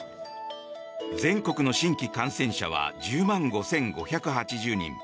全国の新規感染者は１０万５５８０人。